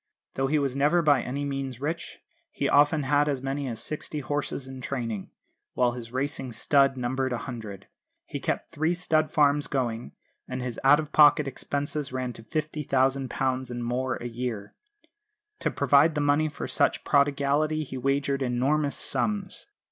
Though he was never by any means rich, he often had as many as sixty horses in training, while his racing stud numbered a hundred. He kept three stud farms going, and his out of pocket expenses ran to £50,000 and more a year. To provide the money for such prodigality he wagered enormous sums.